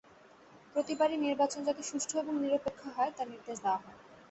প্রতিবারই নির্বাচন যাতে সুষ্ঠু এবং নিরপেক্ষ হয়, তার নির্দেশ দেওয়া হয়।